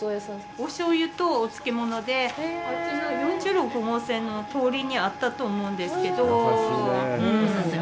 お醤油とお漬物であっちの４６号線の通りにあったと思うんですけど。